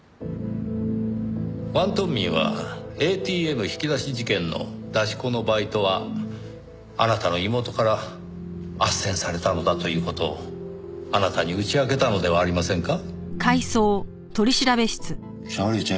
王東明はＡＴＭ引き出し事件の出し子のバイトはあなたの妹から斡旋されたのだという事をあなたに打ち明けたのではありませんか？